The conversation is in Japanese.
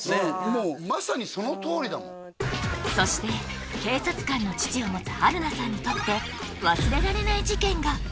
もうまさにそのとおりだもんそして警察官の父を持つ春菜さんにとって忘れられない事件が！？